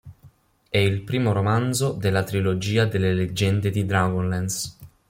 È il primo romanzo della trilogia delle "Leggende di Dragonlance".